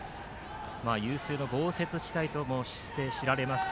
有数の豪雪地帯としても知られます